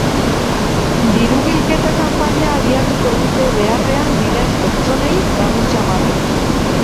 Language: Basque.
Diru bilketa kanpaina abiatuko dute beharrean diren pertsonei laguntza emateko.